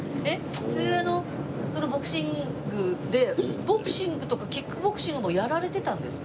普通のそのボクシングでボクシングとかキックボクシングもやられてたんですか？